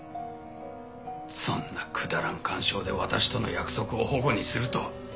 そんなくだらん感傷で私との約束を反故にするとは。